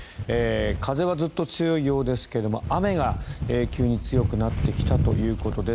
風はずっと強いようですが雨が急に強くなってきたということです。